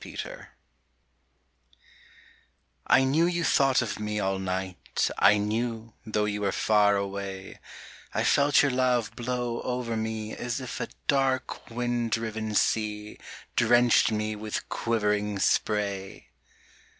Spray I knew you thought of me all night, I knew, though you were far away; I felt your love blow over me As if a dark wind riven sea Drenched me with quivering spray.